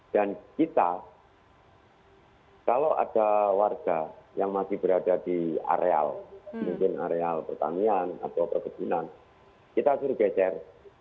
dan kita kalau ada warga yang masih berada di areal mungkin areal pertanian atau pekejunan kita suruh geser